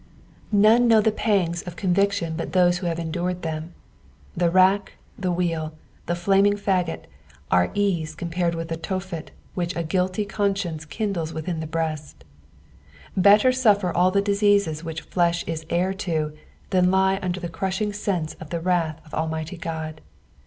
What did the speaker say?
None knon the pangs of couTictiaa but those who have endured tbem. The rack, the wheel, the flamine fagot are ease compared with the Tophet which u guilty conscience kindles wittiin the breast : better sufler all the diseases which fiesh is heir to, than lie under the crushing senae of the wrath of atmightj Qod.